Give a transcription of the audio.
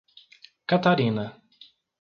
Catarina